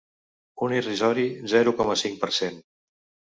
Un irrisori zero coma cinc per cent.